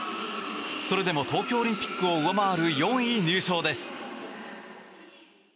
それでも東京オリンピックを上回る、４位入賞です。